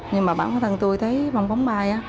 nhưng mà bản thân tôi thấy bong bóng bay